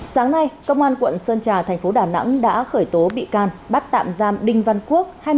sáng nay công an quận sơn trà thành phố đà nẵng đã khởi tố bị can bắt tạm giam đinh văn quốc